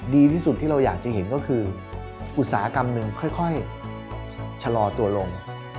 ดีที่สุดที่เราอยากจะเห็นก็คืออุตสาหกรรมหนึ่งค่อยชะลอตัวลง